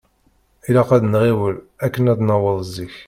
Ilaq ad nɣiwel akken ad naweḍ zik.